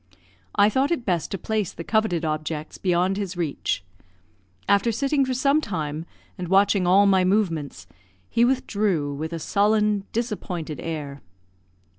I thought it best to place the coveted objects beyond his reach. After sitting for some time, and watching all my movements, he withdrew, with a sullen, disappointed air.